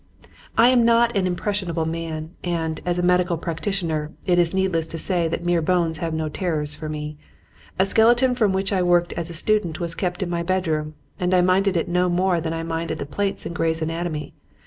I am not an impressionable man; and, as a medical practitioner, it is needless to say that mere bones have no terrors for me. The skeleton from which I worked as a student was kept in my bedroom, and I minded it no more than I minded the plates in "Gray's Anatomy."